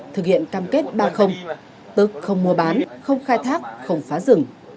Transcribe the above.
thực hiện cam kết ba tức không mua bán không khai thác không phá rừng